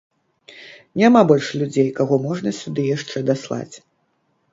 Няма больш людзей, каго можна сюды яшчэ даслаць.